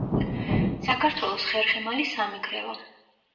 საქართველოს ხერხემალი სამეგრელო.